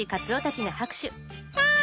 さあ